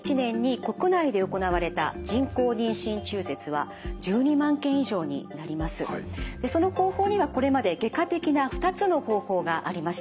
はい厚生労働省によりますとその方法にはこれまで外科的な２つの方法がありました。